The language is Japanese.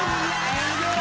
すごーい！